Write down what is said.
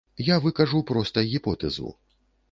Я выкажу проста гіпотэзу.